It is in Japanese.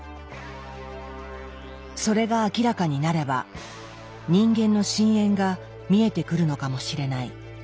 それが明らかになれば人間の深淵が見えてくるのかもしれない。